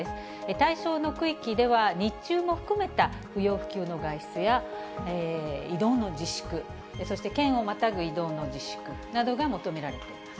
対象の区域では、日中も含めた不要不急の外出や移動の自粛、そして県をまたぐ移動の自粛などが求められています。